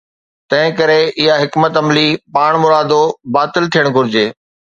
تنهن ڪري اها حڪمت عملي پاڻمرادو باطل ٿيڻ گهرجي.